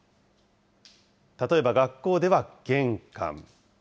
例えば、学校では玄関。